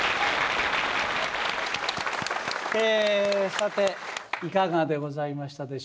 さていかがでございましたでしょうか？